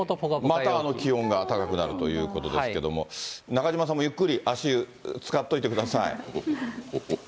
また気温が高くなるということですけれども、中島さんもゆっくり足湯つかっといてください。